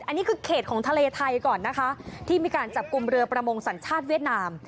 อันนี้คือเขตของทะเลไทยก่อนนะคะที่มีการจับกลุ่มเรือประมงสัญชาติเวียดนาม